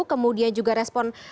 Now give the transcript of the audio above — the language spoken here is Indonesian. kemudian juga respon